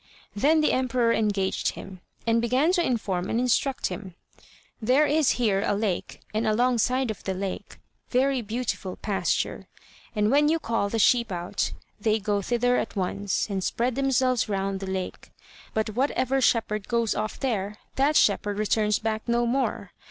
Then the emperor engaged him, and began to inform and instruct him: "There is here a lake, and alongside of the lake very beautiful pasture, and when you call the sheep out, they go thither at once, and spread themselves round the lake; but whatever shepherd goes off there, that shepherd returns back no more.